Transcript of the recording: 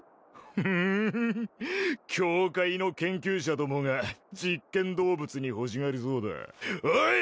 ふん教会の研究者どもが実験動物に欲しがりそうだおい！